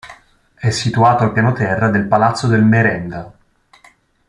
È situato al piano terra del Palazzo del Merenda.